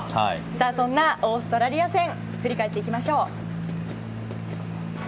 そんなオーストラリア戦振り返っていきましょう。